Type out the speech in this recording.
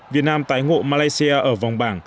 việt nam tái ngộ malaysia